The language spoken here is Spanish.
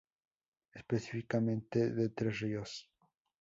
Específicamente en Tres Ríos.